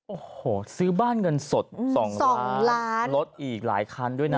โอ้โหซื้อบ้านเงินสด๒ล้านรถอีกหลายคันด้วยนะ